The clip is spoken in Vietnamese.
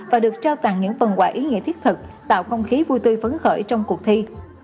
và được trao tặng những phần quả ý nghĩa thiết thực tạo không khí vui tươi phấn khởi trong cuộc thi